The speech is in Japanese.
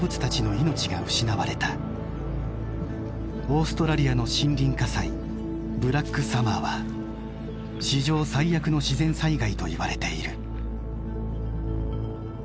オーストラリアの森林火災「ブラックサマー」は史上最悪の自然災害といわれている。